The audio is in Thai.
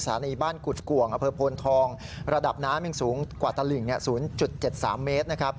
สถานีบ้านกุฎกว่างอำเภอโพนทองระดับน้ำยังสูงกว่าตะหลิง๐๗๓เมตร